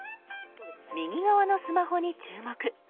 右側のスマホに注目。